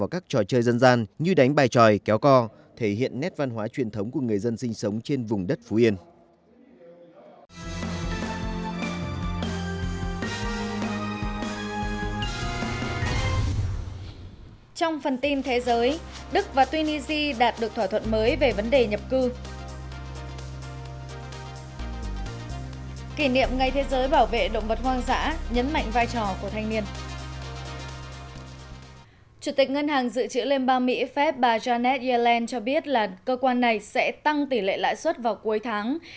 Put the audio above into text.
chủ tịch ngân hàng dự trữ liên bang mỹ phép bà janet yellen cho biết là cơ quan này sẽ tăng tỷ lệ lãi suất vào cuối tháng